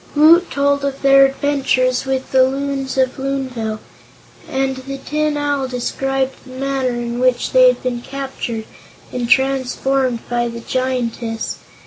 Woot told of their adventures with the Loons of Loonville, and the Tin Owl described the manner in which they had been captured and transformed by the Giantess.